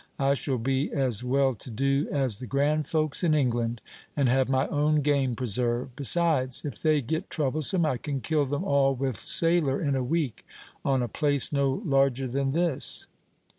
I shall be as well to do as the grand folks in England, and have my own game preserve; besides, if they get troublesome, I can kill them all with Sailor in a week, on a place no larger than this."